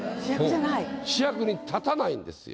主役に立たないんですよ。